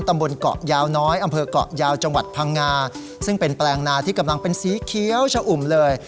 ตำบลเกาะยาวน้อยอำเภอกเกาะยาวจังหวัดพังงาซึ่งเป็นแปลงนาที่กำลังเป็นสีเขียวชะอุ่มเลย